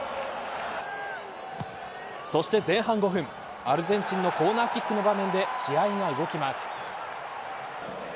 そして前半５分アルゼンチンのコーナーキックの場面で試合が動きます。